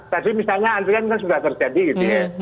tadi misalnya antingan itu sudah terjadi gitu ya